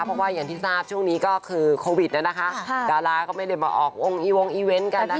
เพราะว่าอย่างที่ทราบช่วงนี้ก็คือโควิดนะคะดาราก็ไม่ได้มาออกวงอีวงอีเวนต์กันนะคะ